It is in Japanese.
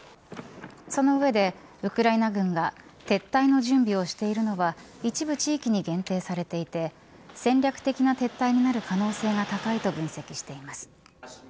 その上でウクライナ軍が撤退の準備をしているのは一部地域に限定されていて戦略的な撤退になる可能性が高いと分析しています。